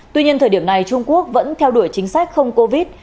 tuy nhiên thời điểm này trung quốc vẫn theo đuổi chính sách không covid